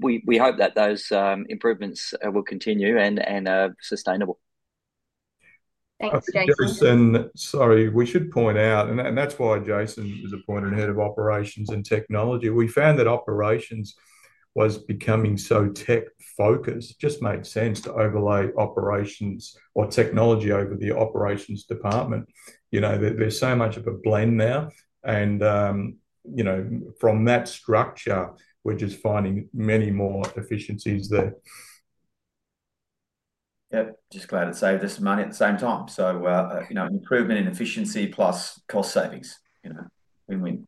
We hope that those improvements will continue and are sustainable. Thanks, Jason. Sorry, we should point out, and that's why Jason is a point in Head of Operations and Technology. We found that operations was becoming so tech-focused. It just made sense to overlay technology over the operations department. There's so much of a blend now, and from that structure, we're just finding many more efficiencies there. Yeah, just glad it saved us money at the same time. You know, improvement in efficiency plus cost savings, you know, win-win.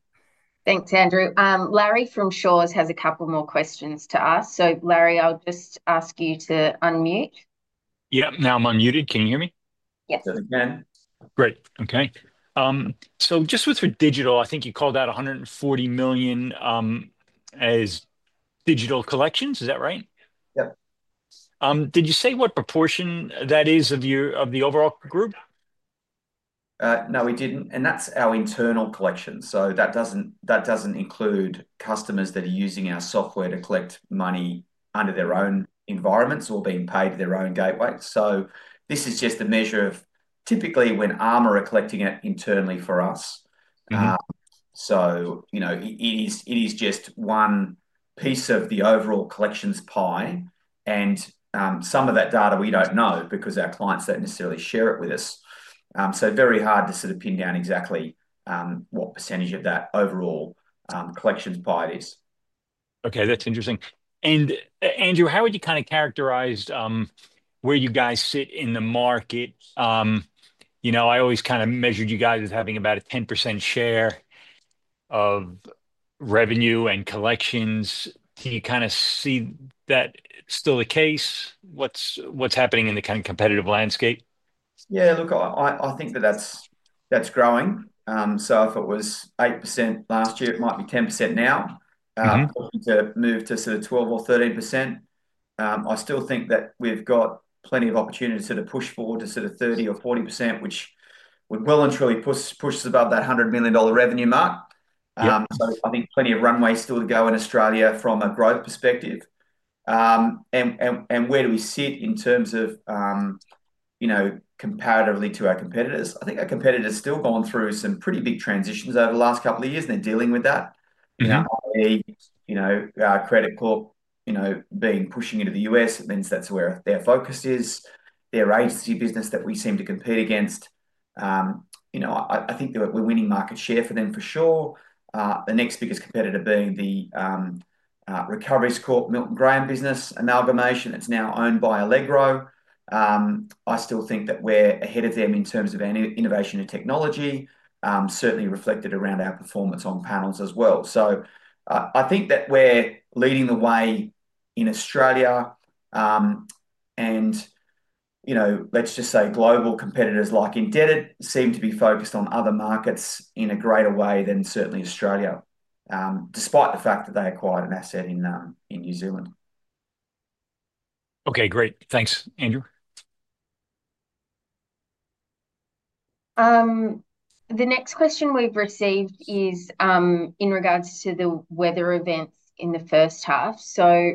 Thanks, Andrew. Larry from Shaws has a couple more questions to ask. Larry, I'll just ask you to unmute. Now I'm unmuted. Can you hear me? Yes, we can. Great, okay. Just with our digital, I think you called out $140 million as digital collections, is that right? Did you say what proportion that is of the overall group? No, we didn't, and that's our internal collection. That doesn't include customers that are using our software to collect money under their own environments or being paid to their own gateway. This is just a measure of typically when ARMA are collecting it internally for us. It is just one piece of the overall collections pie, and some of that data we don't know because our clients don't necessarily share it with us. It is very hard to sort of pin down exactly what percentage of that overall collections pie it is. Okay, that's interesting. Andrew, how would you kind of characterize where you guys sit in the market? I always kind of measured you guys as having about a 10% share of revenue and collections. Can you kind of see that still the case? What's happening in the kind of competitive landscape? Yeah, look, I think that that's growing. If it was 8% last year, it might be 10% now. We need to move to sort of 12% or 13%. I still think that we've got plenty of opportunity to sort of push forward to 30% or 40%, which would well and truly push us above that $100 million revenue mark. I think plenty of runway still to go in Australia from a growth perspective. Where do we sit in terms of, you know, comparatively to our competitors? I think our competitors are still going through some pretty big transitions over the last couple of years, and they're dealing with that. Credit Corp, you know, being pushing into the U.S., and then that's where their focus is, their agency business that we seem to compete against. I think we're winning market share from them for sure. The next biggest competitor being the Recoveries Corp, Milton Graham business, amalgamation that's now owned by Allegro. I still think that we're ahead of them in terms of innovation and technology, certainly reflected around our performance on panels as well. I think that we're leading the way in Australia, and global competitors like Indebted seem to be focused on other markets in a greater way than certainly Australia, despite the fact that they acquired an asset in New Zealand. Okay, great. Thanks, Andrew. The next question we've received is in regards to the weather events in the first half.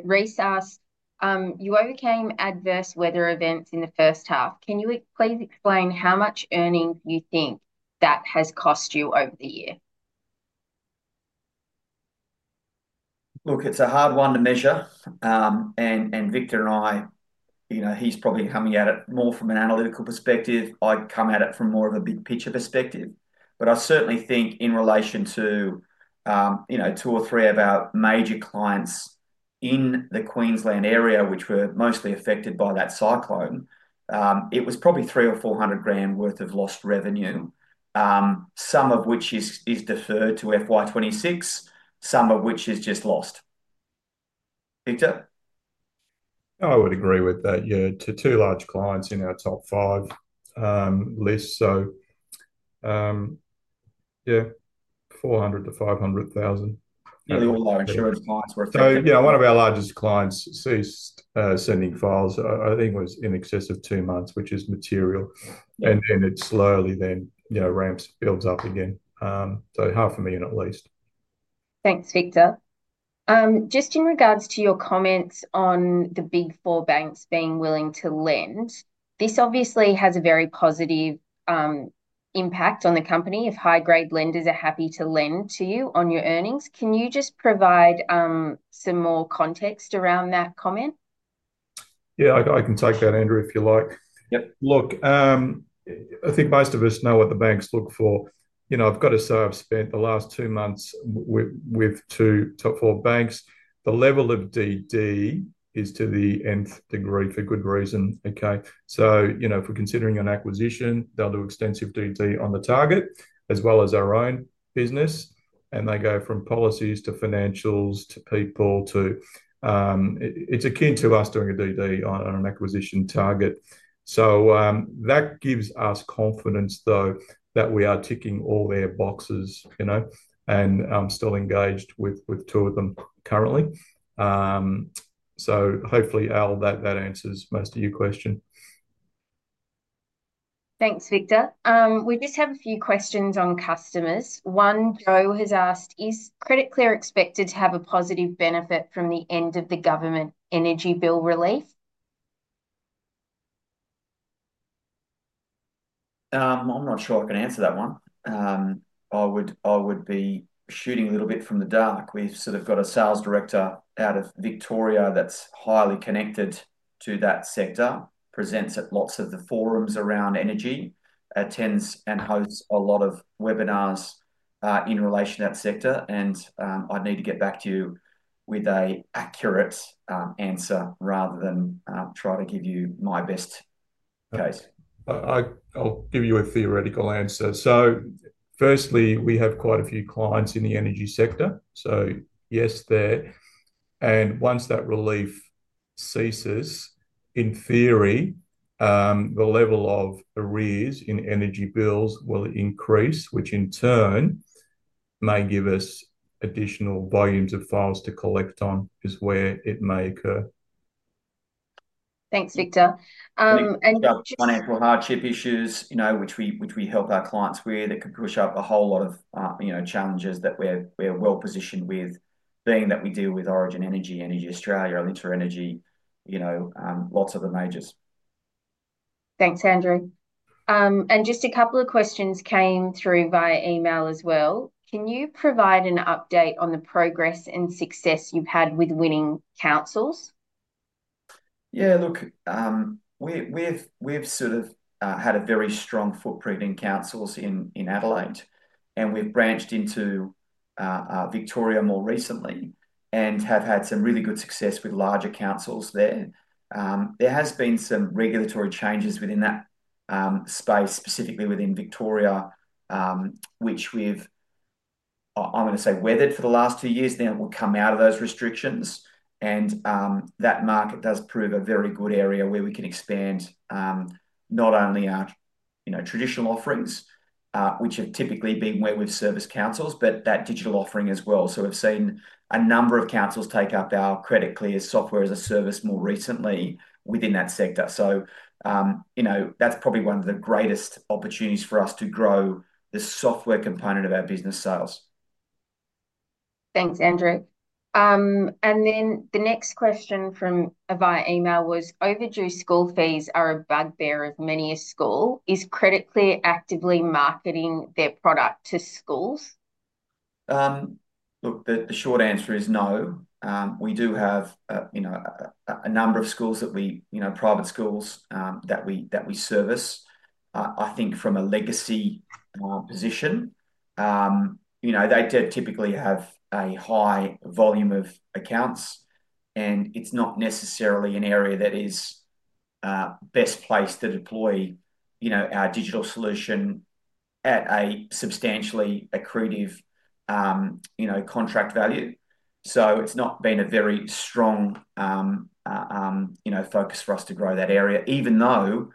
Rhys asked, you overcame adverse weather events in the first half. Can you please explain how much earning you think that has cost you over the year? Look, it's a hard one to measure, and Victor and I, you know, he's probably coming at it more from an analytical perspective. I'd come at it from more of a big picture perspective. I certainly think in relation to two or three of our major clients in the Queensland area, which were mostly affected by that cyclone, it was probably $300,000 or $400,000 worth of lost revenue, some of which is deferred to FY 2026, some of which is just lost. Victor? I would agree with that. Yeah, two large clients in our top five lists, so $400,000-$500,000. All our insured clients were. Yeah, one of our largest clients ceased sending files, I think it was in excess of two months, which is material. It slowly then ramps, builds up again. $500,000 at least. Thanks, Victor. Just in regards to your comments on the Big Four banks being willing to lend, this obviously has a very positive impact on the company if high-grade lenders are happy to lend to you on your earnings. Can you just provide some more context around that comment? Yeah, I can take that, Andrew, if you like. Look, I think most of us know what the banks look for. I've got to say I've spent the last two months with two top four banks. The level of DD is to the nth degree for good reason. If we're considering an acquisition, they'll do extensive DD on the target as well as our own business. They go from policies to financials to people to, it's akin to us doing a DD on an acquisition target. That gives us confidence though that we are ticking all their boxes, and I'm still engaged with two of them currently. Hopefully, Al, that answers most of your question. Thanks, Victor. We just have a few questions on customers. One, Joe has asked, is Credit Clear expected to have a positive benefit from the end of the government energy bill relief? I'm not sure I can answer that one. I would be shooting a little bit from the dark. We've got a sales director out of Victoria that's highly connected to that sector, presents at lots of the forums around energy, attends and hosts a lot of webinars in relation to that sector. I'd need to get back to you with an accurate answer rather than try to give you my best case. I'll give you a theoretical answer. Firstly, we have quite a few clients in the energy sector. Yes, they're, and once that relief ceases, in theory, the level of arrears in energy bills will increase, which in turn may give us additional volumes of files to collect on is where it may occur. Thanks, Victor. Financial hardship issues, you know, which we help our clients with, could push up a whole lot of, you know, challenges that we're well-positioned with, being that we deal with Alinta Energy, EnergyAustralia, and a lot of the majors. Thanks, Andrew. Just a couple of questions came through via email as well. Can you provide an update on the progress and success you've had with winning councils? Yeah, look, we've had a very strong footprint in councils in Adelaide, and we've branched into Victoria more recently and have had some really good success with larger councils there. There have been some regulatory changes within that space, specifically within Victoria, which we've, I'm going to say, weathered for the last two years. Now we'll come out of those restrictions, and that market does prove a very good area where we can expand not only our traditional offerings, which have typically been where we've serviced councils, but that digital offering as well. We've seen a number of councils take up our Credit Clear Software as Service digital platform more recently within that sector. That's probably one of the greatest opportunities for us to grow the software component of our business sales. Thanks, Andrew. The next question from via email was, overdue school fees are a bugbear of many a school. Is Credit Clear actively marketing their product to schools? The short answer is no. We do have a number of schools that we, you know, private schools that we service. I think from a legacy position, they typically have a high volume of accounts, and it's not necessarily an area that is best placed to deploy our digital solution at a substantially accretive contract value. It's not been a very strong focus for us to grow that area, even though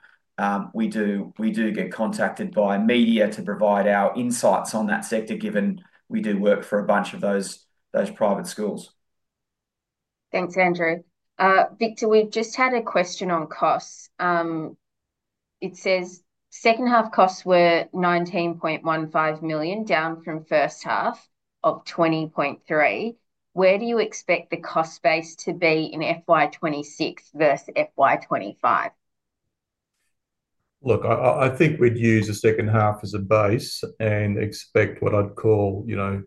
we do get contacted by media to provide our insights on that sector, given we do work for a bunch of those private schools. Thanks, Andrew. Victor, we've just had a question on costs. It says second half costs were $19.15 million, down from first half of $20.3 million. Where do you expect the cost base to be in FY 2026 versus FY 2025? Look, I think we'd use the second half as a base and expect what I'd call, you know,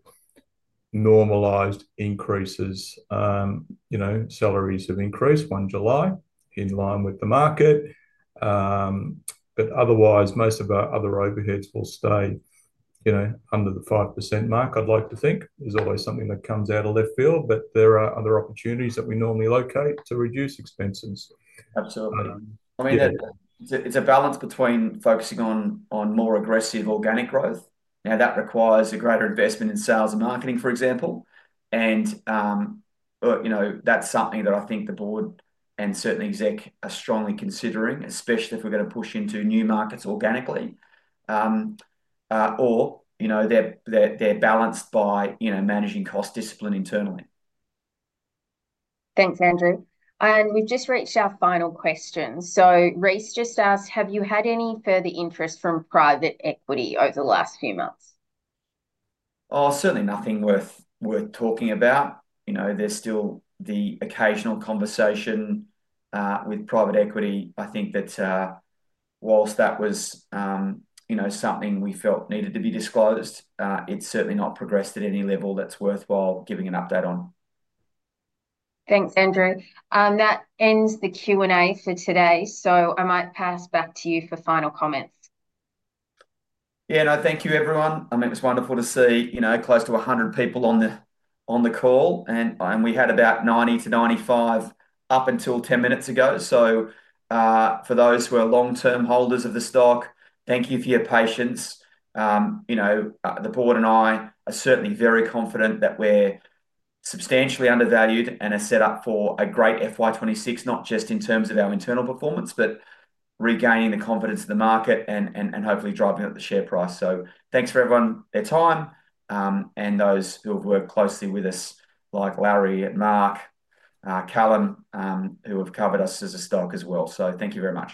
normalized increases. Salaries have increased 1 July in line with the market, but otherwise, most of our other overheads will stay, you know, under the 5% mark. I'd like to think there's always something that comes out of left field, but there are other opportunities that we normally locate to reduce expenses. Absolutely. I mean, it's a balance between focusing on more aggressive organic growth. That requires a greater investment in sales and marketing, for example. That's something that I think the board and certainly exec are strongly considering, especially if we're going to push into new markets organically. They're balanced by managing cost discipline internally. Thanks, Andrew. We've just reached our final question. Rhys just asked, have you had any further interest from private equity over the last few months? Certainly nothing worth talking about. You know, there's still the occasional conversation with private equity. I think that whilst that was, you know, something we felt needed to be disclosed, it's certainly not progressed at any level that's worthwhile giving an update on. Thanks, Andrew. That ends the Q&A for today. I might pass back to you for final comments. Thank you, everyone. It was wonderful to see close to 100 people on the call, and we had about 90-95 up until 10 minutes ago. For those who are long-term holders of the stock, thank you for your patience. The board and I are certainly very confident that we're substantially undervalued and are set up for a great FY 2026, not just in terms of our internal performance, but regaining the confidence of the market and hopefully driving up the share price. Thanks for everyone's time and those who have worked closely with us, like Larry, Mark, Callum, who have covered us as a stock as well. Thank you very much.